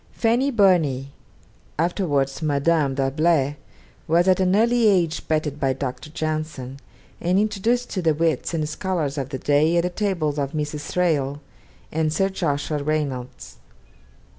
Fanny Burney, afterwards Madame D'Arblay, was at an early age petted by Dr. Johnson, and introduced to the wits and scholars of the day at the tables of Mrs. Thrale and Sir Joshua Reynolds.